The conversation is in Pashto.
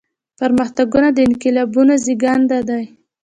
پرمختګونه د انقلابونو زيږنده دي.